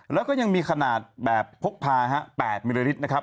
แล้วก็ยังมีขนาดแบบพกพา๘มิลลิลิตรนะครับ